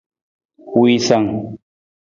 Wiisung.